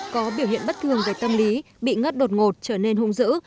có biểu hiện bất thường về tâm lý bị ngất đột ngột trở nên hung dữ